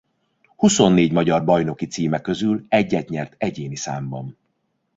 Huszonnégy magyar bajnoki címe közül egyet nyert egyéni számban.